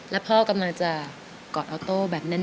แล้วพ่อกำลังจะกอดออโต้แบบแน่น